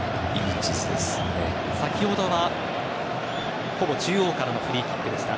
先ほどはほぼ中央からのフリーキックでした。